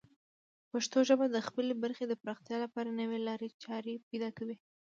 پښتو ژبه د خپلې برخې پراختیا لپاره نوې لارې چارې پیدا کوي.